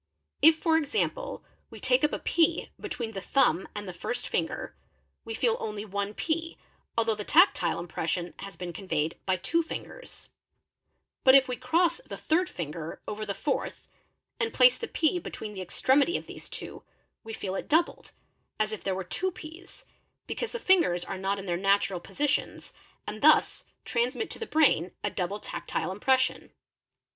If for example we take up a pea — between the thumb and the first finger, we feel only one pea although — the tactile impression has been conveyed by two fingers; but if we cross the third finger over the fourth and place the pea between the extremity of these two, we feel it doubled, as if there were two peas, because the fingers are not in their natural positions and thus transmit to the brain a double tactile impression.